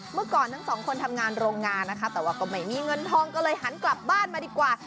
เมื่อก่อนทั้งสองคนทำงานโรงงานนะคะแต่ว่าก็ไม่มีเงินทองก็เลยหันกลับบ้านมาดีกว่า